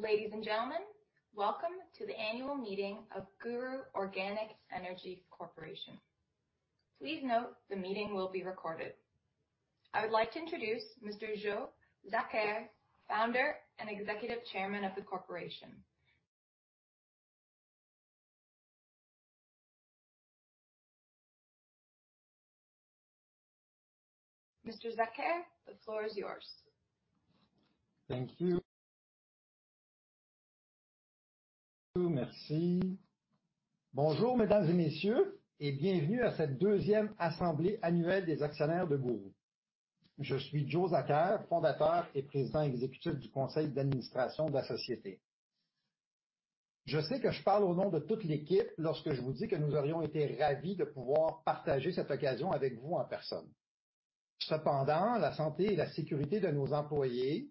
Ladies and gentlemen, welcome to the annual meeting of GURU Organic Energy Corp. Please note the meeting will be recorded. I would like to introduce Mr. Joe Zakher, Founder and Executive Chairman of the corporation. Mr. Zakher, the floor is yours. Thank you. Merci. Bonjour, mesdames et messieurs et bienvenue à cette deuxième assemblée annuelle des actionnaires de GURU. Je suis Joe Zakher, fondateur et président exécutif du conseil d'administration de la société. Je sais que je parle au nom de toute l'équipe lorsque je vous dis que nous aurions été ravis de pouvoir partager cette occasion avec vous en personne. Cependant, la santé et la sécurité de nos employés,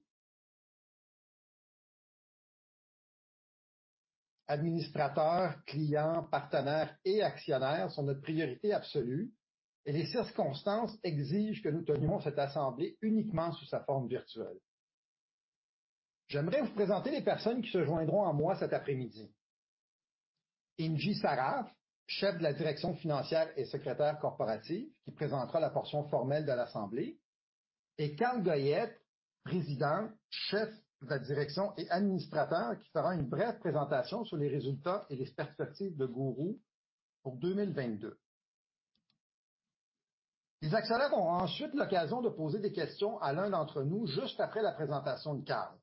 administrateurs, clients, partenaires et actionnaires sont notre priorité absolue et les circonstances exigent que nous tenions cette assemblée uniquement sous sa forme virtuelle. J'aimerais vous présenter les personnes qui se joindront à moi cet après-midi. Ingy Sarraf, chef de la direction financière et secrétaire corporative, qui présentera la portion formelle de l'assemblée, et Carl Goyette, président, chef de la direction et administrateur, qui fera une brève présentation sur les résultats et les perspectives de GURU pour 2022. Les actionnaires auront ensuite l'occasion de poser des questions à l'un d'entre nous juste après la présentation de Carl.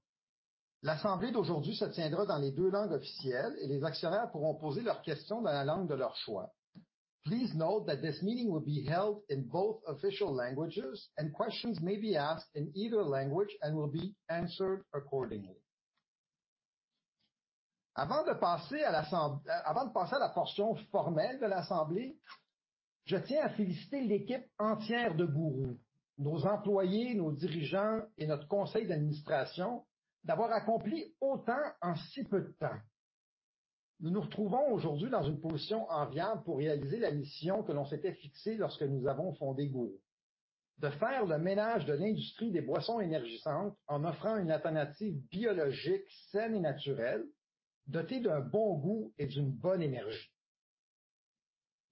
L'assemblée d'aujourd'hui se tiendra dans les deux langues officielles et les actionnaires pourront poser leurs questions dans la langue de leur choix. Please note that this meeting will be held in both official languages and questions may be asked in either language and will be answered accordingly. Avant de passer à la portion formelle de l'assemblée, je tiens à féliciter l'équipe entière de GURU, nos employés, nos dirigeants et notre conseil d'administration d'avoir accompli autant en si peu de temps. Nous nous retrouvons aujourd'hui dans une position enviable pour réaliser la mission que l'on s'était fixée lorsque nous avons fondé GURU: de faire le ménage de l'industrie des boissons énergisantes en offrant une alternative biologique saine et naturelle, dotée d'un bon goût et d'une bonne énergie.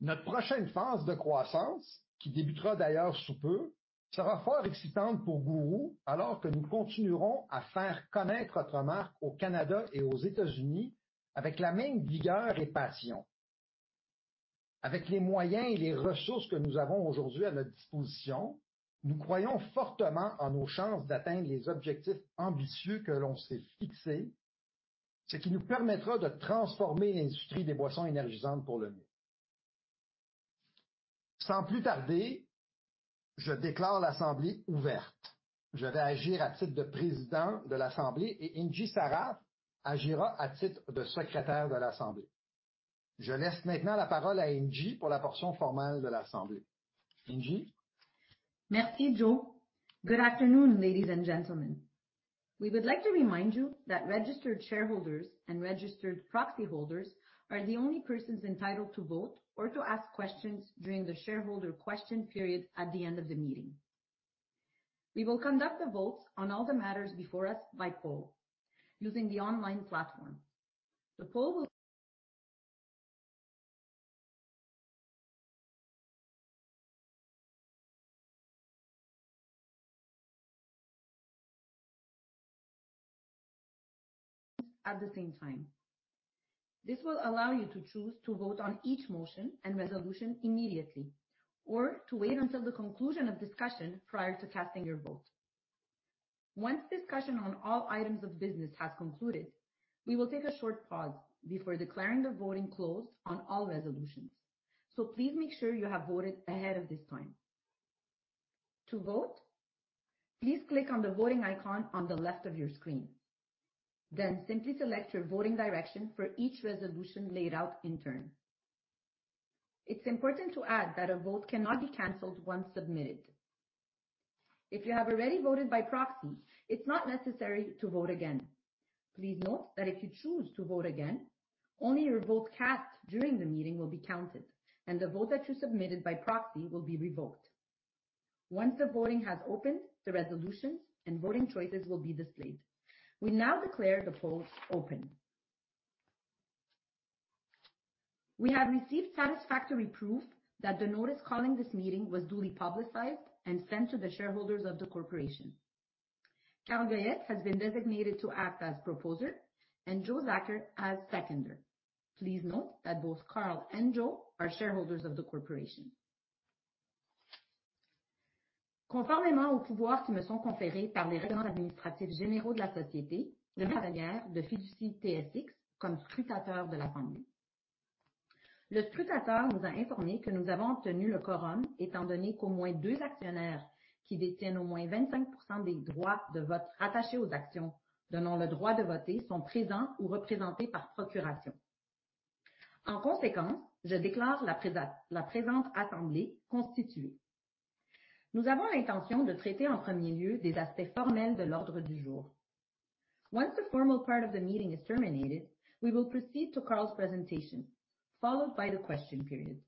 Notre prochaine phase de croissance, qui débutera d'ailleurs sous peu, sera fort excitante pour GURU alors que nous continuerons à faire connaître notre marque au Canada et aux États-Unis avec la même vigueur et passion. Avec les moyens et les ressources que nous avons aujourd'hui à notre disposition, nous croyons fortement en nos chances d'atteindre les objectifs ambitieux que l'on s'est fixés, ce qui nous permettra de transformer l'industrie des boissons énergisantes pour le mieux. Sans plus tarder, je déclare l'assemblée ouverte. Je vais agir à titre de président de l'assemblée et Ingy Sarraf agira à titre de secrétaire de l'assemblée. Je laisse maintenant la parole à Ingy pour la portion formelle de l'assemblée. Ingy. Merci, Joe. Good afternoon, ladies and gentlemen. We would like to remind you that registered shareholders and registered proxy holders are the only persons entitled to vote or to ask questions during the shareholder question period at the end of the meeting. We will conduct the votes on all the matters before us by poll using the online platform. The poll will at the same time. This will allow you to choose to vote on each motion and resolution immediately, or to wait until the conclusion of discussion prior to casting your vote. Once discussion on all items of business has concluded, we will take a short pause before declaring the voting closed on all resolutions. Please make sure you have voted ahead of this time. To vote, please click on the voting icon on the left of your screen. Simply select your voting direction for each resolution laid out in turn. It's important to add that a vote cannot be canceled once submitted. If you have already voted by proxy, it's not necessary to vote again. Please note that if you choose to vote again, only your vote cast during the meeting will be counted, and the vote that you submitted by proxy will be revoked. Once the voting has opened, the resolutions and voting choices will be displayed. We now declare the polls open. We have received satisfactory proof that the notice calling this meeting was duly publicized and sent to the shareholders of the corporation. Carl Goyette has been designated to act as proposer and Joe Zakher as seconder. Please note that both Carl and Joe are shareholders of the corporation. Conformément aux pouvoirs qui me sont conférés par les règlements administratifs généraux de la société et par TSX Trust comme scrutateur de l'assemblée. Le scrutateur nous a informés que nous avons obtenu le quorum étant donné qu'au moins deux actionnaires qui détiennent au moins 25% des droits de vote rattachés aux actions donnant le droit de voter sont présents ou représentés par procuration. En conséquence, je déclare la présente assemblée constituée. Nous avons l'intention de traiter en premier lieu des aspects formels de l'ordre du jour. Once the formal part of the meeting is terminated, we will proceed to Carl's presentation, followed by the question period.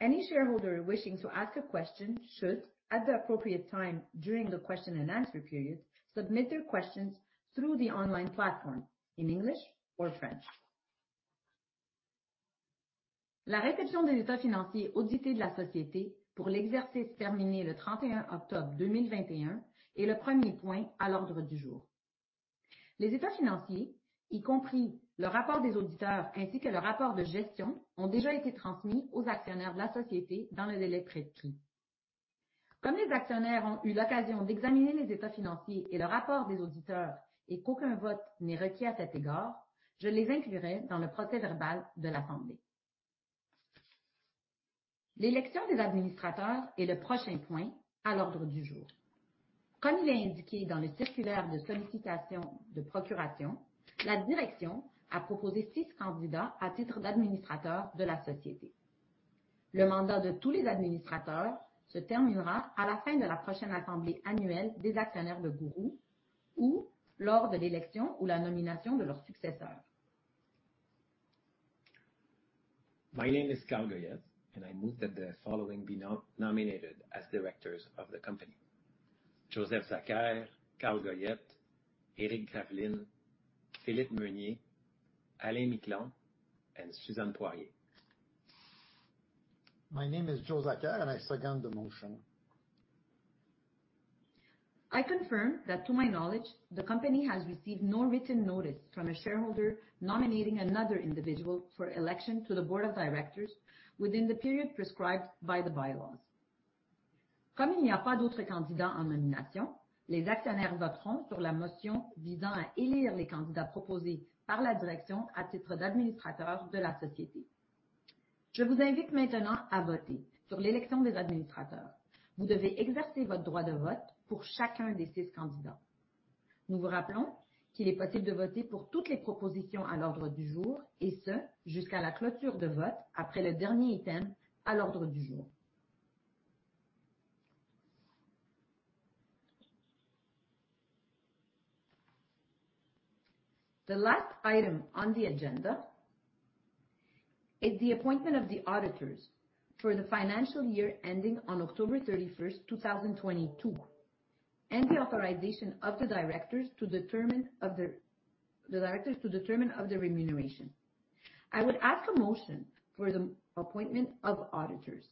Any shareholder wishing to ask a question should, at the appropriate time during the question-and-answer period, submit their questions through the online platform in English or French. La réception des états financiers audités de la société pour l'exercice terminé le 31 octobre 2021 est le premier point à l'ordre du jour. Les états financiers, y compris le rapport des auditeurs ainsi que le rapport de gestion, ont déjà été transmis aux actionnaires de la société dans les délais prévus. Comme les actionnaires ont eu l'occasion d'examiner les états financiers et le rapport des auditeurs et qu'aucun vote n'est requis à cet égard, je les inclurai dans le procès-verbal de l'assemblée. L'élection des administrateurs est le prochain point à l'ordre du jour. Comme il est indiqué dans le circulaire de sollicitation de procuration, la direction a proposé 6 candidats à titre d'administrateurs de la société. Le mandat de tous les administrateurs se terminera à la fin de la prochaine assemblée annuelle des actionnaires de GURU ou lors de l'élection ou la nomination de leur successeur. My name is Carl Goyette and I move that the following be nominated as directors of the company, Joe Zakher, Carl Goyette, Eric Graveline, Philippe Meunier, Alain Miquelon and Suzanne Poirier. My name is Joe Zakher and I second the motion. I confirm that, to my knowledge, the company has received no written notice from a shareholder nominating another individual for election to the board of directors within the period prescribed by the bylaws. Comme il n'y a pas d'autres candidats en nomination, les actionnaires voteront sur la motion visant à élire les candidats proposés par la direction à titre d'administrateurs de la société. Je vous invite maintenant à voter sur l'élection des administrateurs. Vous devez exercer votre droit de vote pour chacun des six candidats. Nous vous rappelons qu'il est possible de voter pour toutes les propositions à l'ordre du jour, et ce, jusqu'à la clôture de vote après le dernier item à l'ordre du jour. The last item on the agenda is the appointment of the auditors for the financial year ending on October 31st, 2022, and the authorization of the directors to fix their remuneration. I would ask a motion for the appointment of auditors.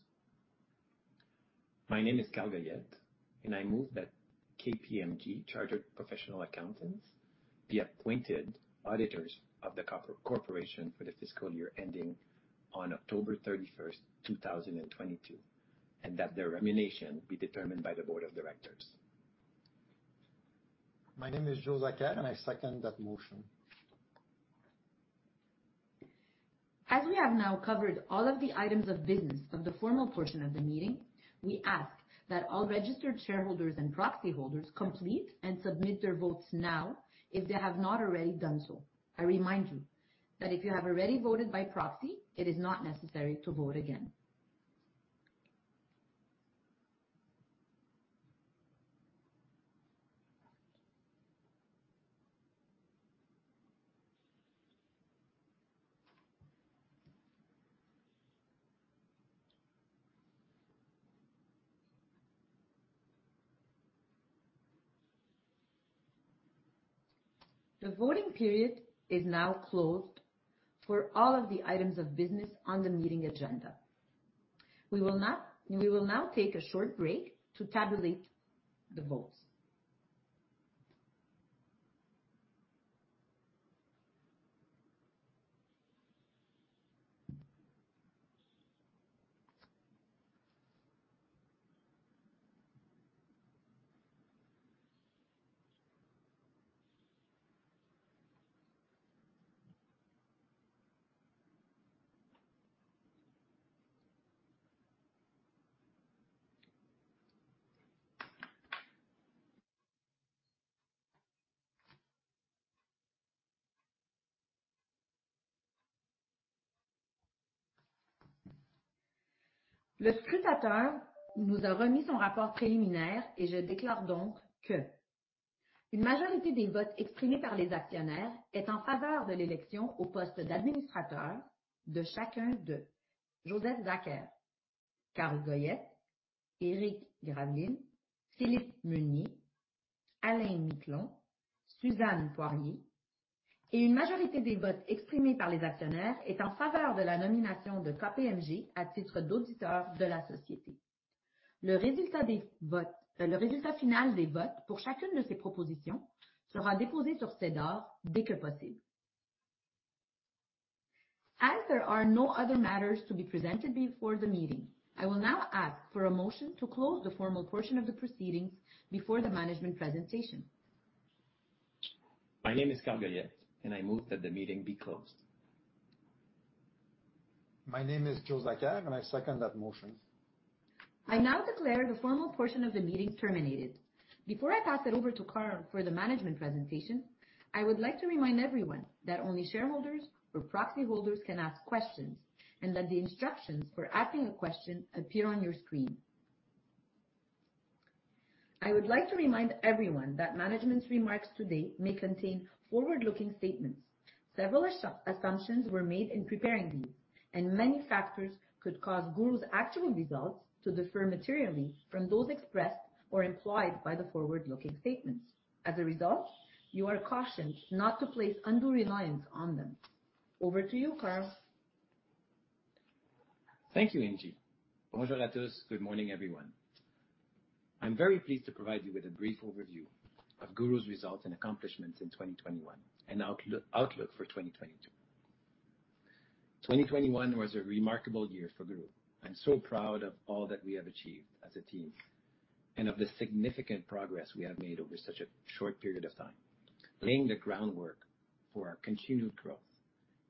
My name is Carl Goyette and I move that KPMG Chartered Professional Accountants be appointed auditors of the corporation for the fiscal year ending on October 31st, 2022, and that their remuneration be determined by the board of directors. My name is Joe Zakher and I second that motion. As we have now covered all of the items of business of the formal portion of the meeting, we ask that all registered shareholders and proxy holders complete and submit their votes now if they have not already done so. I remind you that if you have already voted by proxy, it is not necessary to vote again. The voting period is now closed for all of the items of business on the meeting agenda. We will now take a short break to tabulate the votes. Le scrutateur nous a remis son rapport préliminaire et je déclare donc que: une majorité des votes exprimés par les actionnaires est en faveur de l'élection au poste d'administrateur de chacun de Joe Zakher, Carl Goyette, Eric Graveline, Philippe Meunier, Alain Miquelon, Suzanne Poirier, et une majorité des votes exprimés par les actionnaires est en faveur de la nomination de KPMG à titre d'auditeur de la société. Le résultat final des votes pour chacune de ces propositions sera déposé sur SEDAR dès que possible. As there are no other matters to be presented before the meeting, I will now ask for a motion to close the formal portion of the proceedings before the management presentation. My name is Carl Goyette and I move that the meeting be closed. My name is Joe Zakher and I second that motion. I now declare the formal portion of the meeting terminated. Before I pass it over to Carl for the management presentation, I would like to remind everyone that only shareholders or proxy holders can ask questions and that the instructions for asking a question appear on your screen. I would like to remind everyone that management's remarks today may contain forward-looking statements. Several assumptions were made in preparing these, and many factors could cause GURU's actual results to differ materially from those expressed or implied by the forward-looking statements. As a result, you are cautioned not to place undue reliance on them. Over to you, Carl. Thank you, Ingy. Bonjour à tous. Good morning, everyone. I'm very pleased to provide you with a brief overview of GURU's results and accomplishments in 2021, and outlook for 2022. 2021 was a remarkable year for GURU. I'm so proud of all that we have achieved as a team, and of the significant progress we have made over such a short period of time, laying the groundwork for our continued growth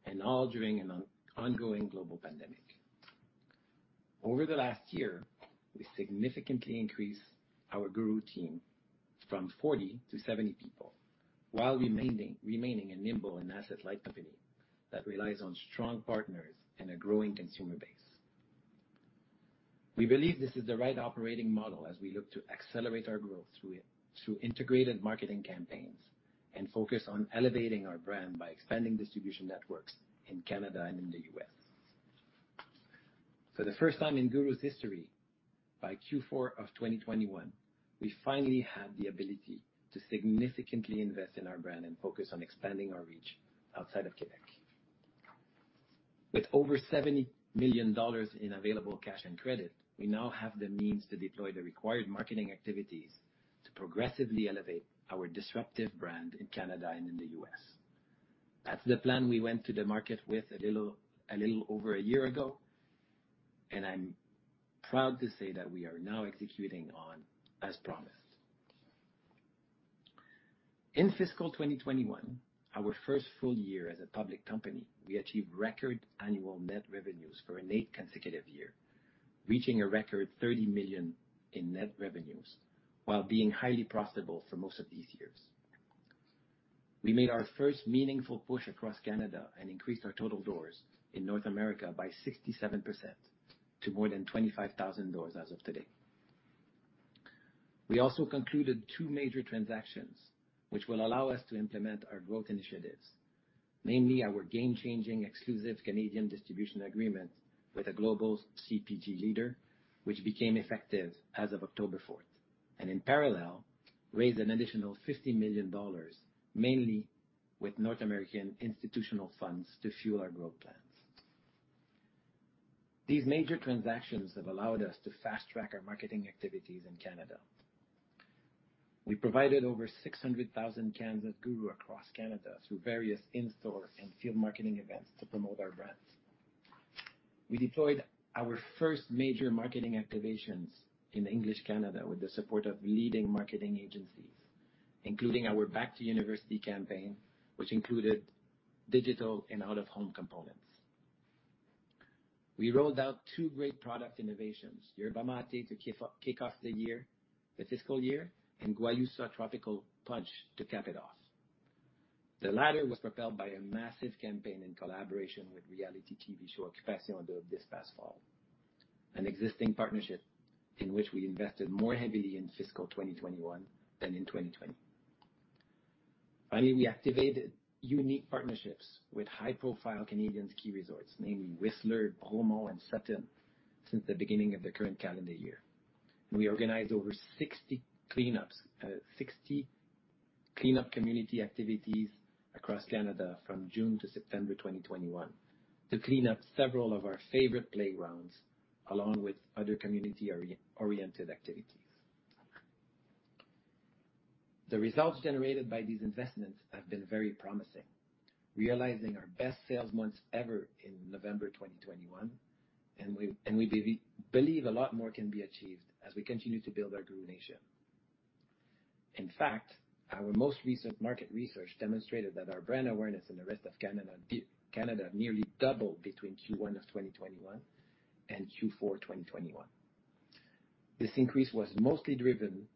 and all during an ongoing global pandemic. Over the last year, we significantly increased our GURU team from 40 to 70 people, while remaining a nimble and asset-light company that relies on strong partners and a growing consumer base. We believe this is the right operating model as we look to accelerate our growth through integrated marketing campaigns and focus on elevating our brand by expanding distribution networks in Canada and in the U.S. For the first time in GURU's history, by Q4 of 2021, we finally had the ability to significantly invest in our brand and focus on expanding our reach outside of Quebec. With over 70 million dollars in available cash and credit, we now have the means to deploy the required marketing activities to progressively elevate our disruptive brand in Canada and in the U.S. That's the plan we went to the market with a little over a year ago, and I'm proud to say that we are now executing on as promised. In fiscal 2021, our first full year as a public company, we achieved record annual net revenues for an eighth consecutive year, reaching a record 30 million in net revenues while being highly profitable for most of these years. We made our first meaningful push across Canada and increased our total doors in North America by 67% to more than 25,000 doors as of today. We also concluded two major transactions, which will allow us to implement our growth initiatives, mainly our game-changing exclusive Canadian distribution agreement with a global CPG leader, which became effective as of October fourth. In parallel, raised an additional 50 million dollars, mainly with North American institutional funds to fuel our growth plans. These major transactions have allowed us to fast-track our marketing activities in Canada. We provided over 600,000 cans of GURU across Canada through various in-store and field marketing events to promote our brands. We deployed our first major marketing activations in English Canada with the support of leading marketing agencies, including our Back-to-University campaign, which included digital and out-of-home components. We rolled out two great product innovations, Yerba Mate to kick off the year, the fiscal year, and Guayusa Tropical Punch to cap it off. The latter was propelled by a massive campaign in collaboration with reality TV show Occupation Double, this past fall. An existing partnership in which we invested more heavily in fiscal 2021 than in 2020. Finally, we activated unique partnerships with high-profile Canadian ski resorts, namely Whistler, Bromont, and Sutton, since the beginning of the current calendar year. We organized over 60 cleanup community activities across Canada from June to September 2021 to clean up several of our favorite playgrounds, along with other community oriented activities. The results generated by these investments have been very promising, realizing our best sales months ever in November 2021, and we believe a lot more can be achieved as we continue to build our GURU nation. In fact, our most recent market research demonstrated that our brand awareness in the rest of Canada nearly doubled between Q1 of 2021 and Q4 of 2021. This increase was mostly driven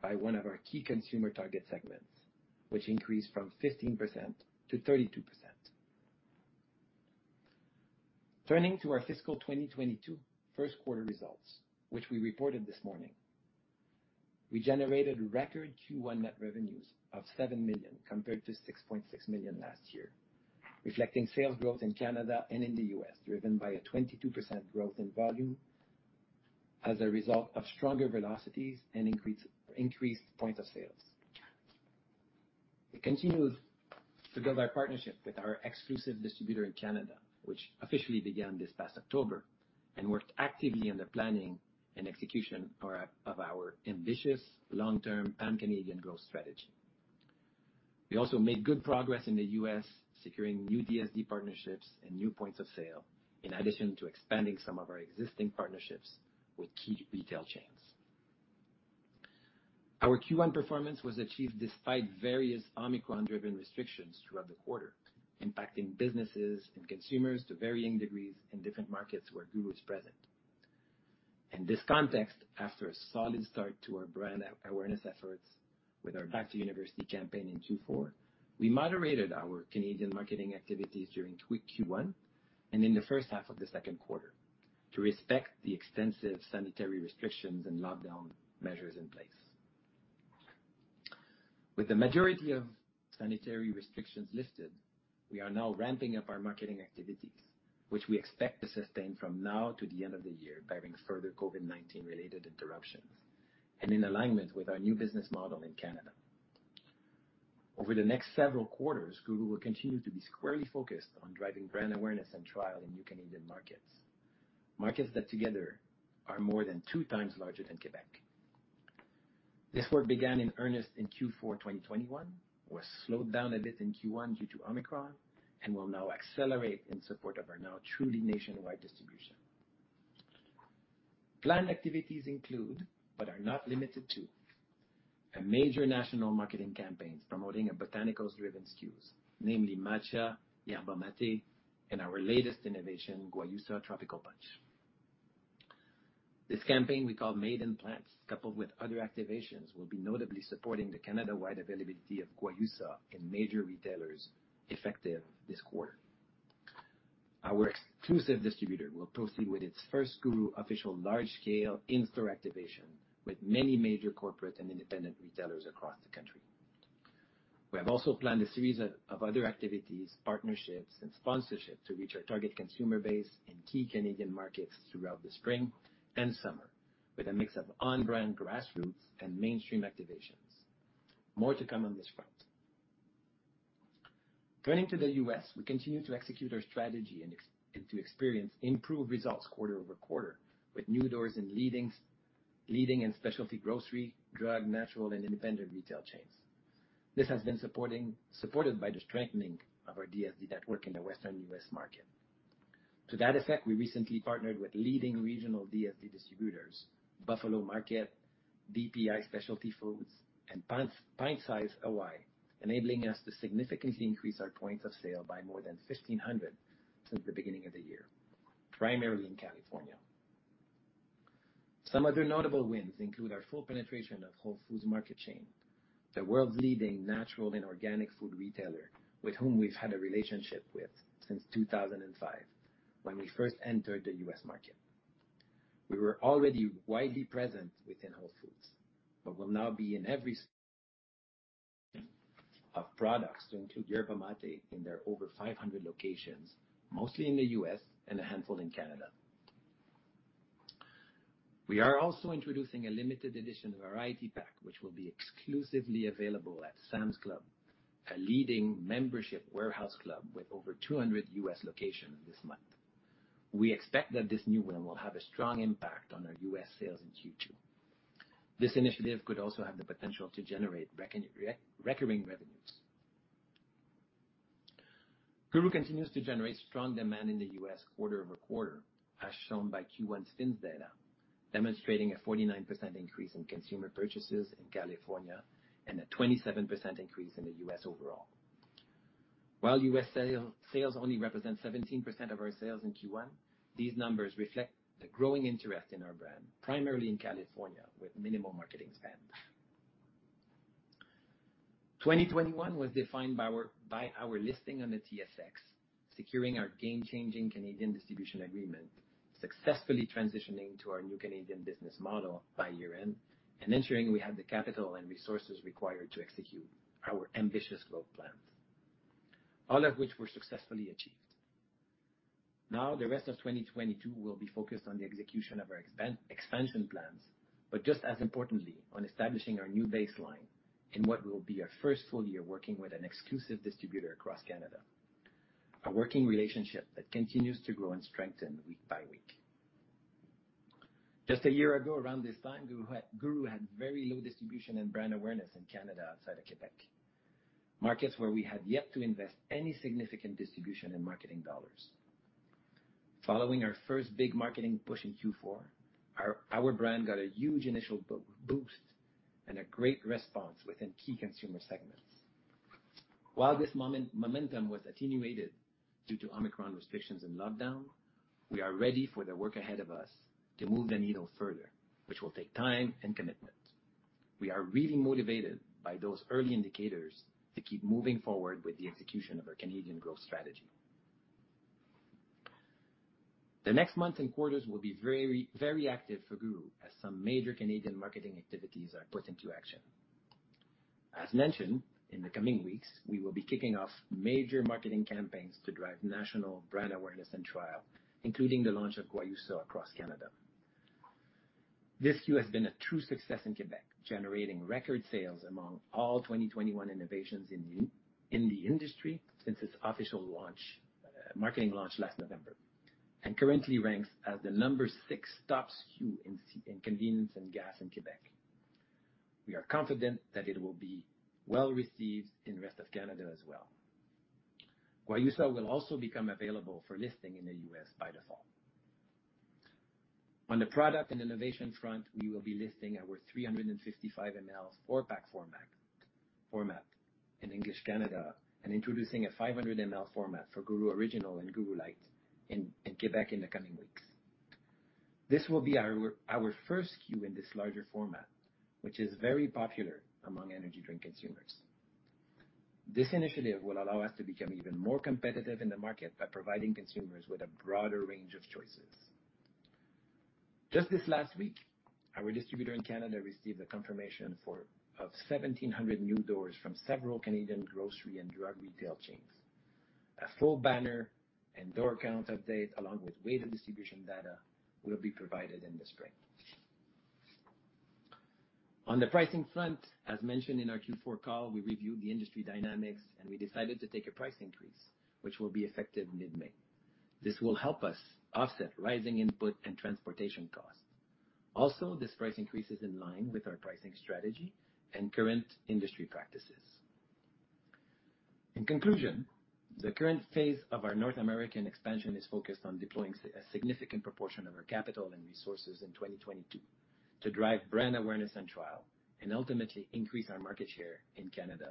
by one of our key consumer target segments, which increased from 15%-32%. Turning to our fiscal 2022 first quarter results, which we reported this morning, we generated record Q1 net revenues of 7 million, compared to 6.6 million last year, reflecting sales growth in Canada and in the U.S., driven by a 22% growth in volume as a result of stronger velocities and increased points of sale. We continued to build our partnership with our exclusive distributor in Canada, which officially began this past October and worked actively on the planning and execution of our ambitious long-term pan-Canadian growth strategy. We also made good progress in the U.S. securing new DSD partnerships and new points of sale, in addition to expanding some of our existing partnerships with key retail chains. Our Q1 performance was achieved despite various Omicron-driven restrictions throughout the quarter, impacting businesses and consumers to varying degrees in different markets where GURU is present. In this context, after a solid start to our brand awareness efforts with our Back to University campaign in Q4, we moderated our Canadian marketing activities during Q1 and in the first half of the second quarter. To respect the extensive sanitary restrictions and lockdown measures in place. With the majority of sanitary restrictions lifted, we are now ramping up our marketing activities, which we expect to sustain from now to the end of the year, barring further COVID-19 related interruptions, and in alignment with our new business model in Canada. Over the next several quarters, GURU will continue to be squarely focused on driving brand awareness and trial in new Canadian markets. Markets that together are more than two times larger than Quebec. This work began in earnest in Q4 2021, was slowed down a bit in Q1 due to Omicron, and will now accelerate in support of our now truly nationwide distribution. Planned activities include, but are not limited to, a major national marketing campaign promoting our botanicals-driven SKUs, namely Matcha, Yerba Mate, and our latest innovation, Guayusa Tropical Punch. This campaign we call Made in Plants, coupled with other activations, will be notably supporting the Canada-wide availability of guayusa in major retailers effective this quarter. Our exclusive distributor will proceed with its first GURU official large scale in-store activation with many major corporate and independent retailers across the country. We have also planned a series of other activities, partnerships and sponsorships to reach our target consumer base in key Canadian markets throughout the spring and summer, with a mix of on-brand grassroots and mainstream activations. More to come on this front. Turning to the U.S., we continue to execute our strategy and expand to experience improved results quarter over quarter, with new doors in leading and specialty grocery, drug, natural and independent retail chains. This has been supported by the strengthening of our DSD network in the Western U.S. market. To that effect, we recently partnered with leading regional DSD distributors, Buffalo Market, DPI Specialty Foods, and Pint Size Hawaii, enabling us to significantly increase our points of sale by more than 1,500 since the beginning of the year, primarily in California. Some other notable wins include our full penetration of Whole Foods Market chain, the world's leading natural and organic food retailer, with whom we've had a relationship with since 2005, when we first entered the U.S. market. We were already widely present within Whole Foods, but will now be in every store with all of our products to include Yerba Mate in their over 500 locations, mostly in the U.S. and a handful in Canada. We are also introducing a limited edition variety pack, which will be exclusively available at Sam's Club, a leading membership warehouse club with over 200 U.S. locations this month. We expect that this new one will have a strong impact on our U.S. sales in Q2. This initiative could also have the potential to generate recurring revenues. GURU continues to generate strong demand in the U.S. quarter-over-quarter, as shown by Q1 SPINS data, demonstrating a 49% increase in consumer purchases in California and a 27% increase in the U.S. overall. While U.S. sales only represent 17% of our sales in Q1, these numbers reflect the growing interest in our brand, primarily in California, with minimal marketing spend. 2021 was defined by our listing on the TSX, securing our game-changing Canadian distribution agreement, successfully transitioning to our new Canadian business model by year-end, and ensuring we have the capital and resources required to execute our ambitious growth plans, all of which were successfully achieved. Now, the rest of 2022 will be focused on the execution of our expansion plans, but just as importantly, on establishing our new baseline in what will be our first full year working with an exclusive distributor across Canada. A working relationship that continues to grow and strengthen week by week. Just a year ago, around this time, GURU had very low distribution and brand awareness in Canada outside of Quebec. Markets where we had yet to invest any significant distribution in marketing dollars. Following our first big marketing push in Q4, our brand got a huge initial boost and a great response within key consumer segments. While this momentum was attenuated due to Omicron restrictions and lockdown, we are ready for the work ahead of us to move the needle further, which will take time and commitment. We are really motivated by those early indicators to keep moving forward with the execution of our Canadian growth strategy. The next months and quarters will be very, very active for GURU, as some major Canadian marketing activities are put into action. As mentioned, in the coming weeks, we will be kicking off major marketing campaigns to drive national brand awareness and trial, including the launch of Guayusa across Canada. This SKU has been a true success in Quebec, generating record sales among all 2021 innovations in the industry since its official launch, marketing launch last November, and currently ranks as the number six top SKU in convenience and gas in Quebec. We are confident that it will be well-received in the rest of Canada as well. Guayusa will also become available for listing in the U.S. by the fall. On the product and innovation front, we will be listing our 355 ml four-pack format in English Canada and introducing a 500 ml format for GURU Original and GURU Lite in Quebec in the coming weeks. This will be our first SKU in this larger format, which is very popular among energy drink consumers. This initiative will allow us to become even more competitive in the market by providing consumers with a broader range of choices. Just this last week, our distributor in Canada received a confirmation for 1,700 new doors from several Canadian grocery and drug retail chains. A full banner and door count update, along with weighted distribution data, will be provided in the spring. On the pricing front, as mentioned in our Q4 call, we reviewed the industry dynamics, and we decided to take a price increase, which will be effective mid-May. This will help us offset rising input and transportation costs. Also, this price increase is in line with our pricing strategy and current industry practices. In conclusion, the current phase of our North American expansion is focused on deploying a significant proportion of our capital and resources in 2022 to drive brand awareness and trial, and ultimately increase our market share in Canada,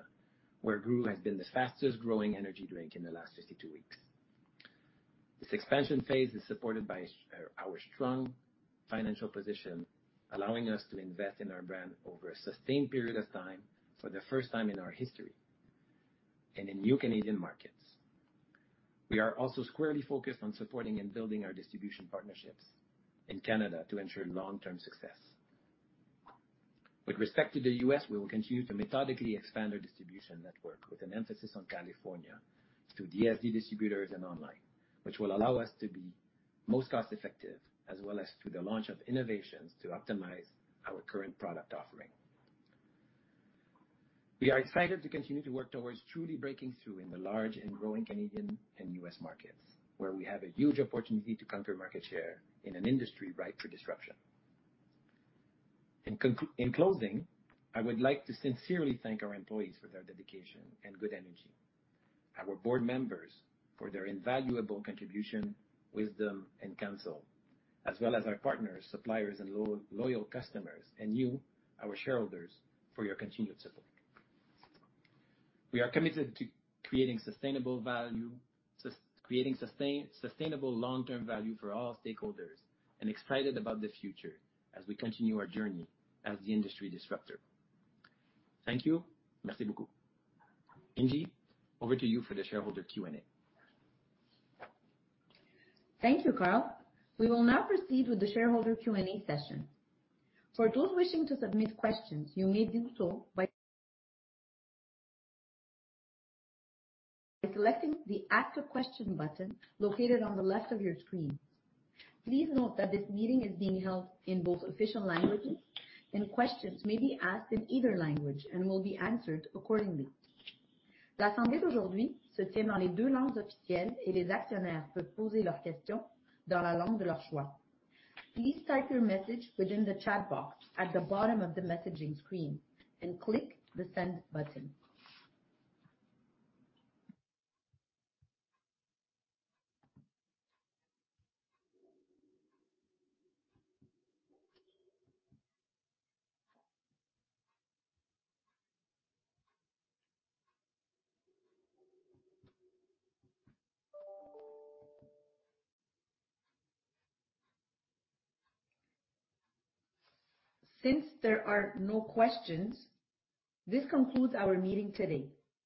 where GURU has been the fastest growing energy drink in the last 52 weeks. This expansion phase is supported by our strong financial position, allowing us to invest in our brand over a sustained period of time for the first time in our history and in new Canadian markets. We are also squarely focused on supporting and building our distribution partnerships in Canada to ensure long-term success. With respect to the U.S., we will continue to methodically expand our distribution network with an emphasis on California through DSD distributors and online, which will allow us to be most cost effective, as well as through the launch of innovations to optimize our current product offering. We are excited to continue to work towards truly breaking through in the large and growing Canadian and U.S. markets, where we have a huge opportunity to conquer market share in an industry ripe for disruption. In closing, I would like to sincerely thank our employees for their dedication and good energy, our board members for their invaluable contribution, wisdom, and counsel, as well as our partners, suppliers, and loyal customers, and you, our shareholders, for your continued support. We are committed to creating sustainable long-term value for all stakeholders and excited about the future as we continue our journey as the industry disruptor. Thank you. Merci beaucoup. Ingy, over to you for the shareholder Q&A. Thank you, Carl. We will now proceed with the shareholder Q&A session. For those wishing to submit questions, you may do so by selecting the Ask a Question button located on the left of your screen. Please note that this meeting is being held in both official languages and questions may be asked in either language and will be answered accordingly. Please type your message within the chat box at the bottom of the messaging screen and click the Send button. Since there are no questions, this concludes our meeting today.